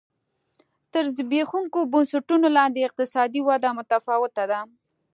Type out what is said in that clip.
تر زبېښونکو بنسټونو لاندې اقتصادي وده متفاوته ده.